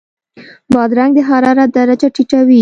بادرنګ د حرارت درجه ټیټوي.